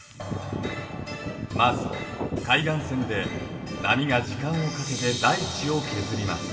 まず海岸線で波が時間をかけて大地を削ります。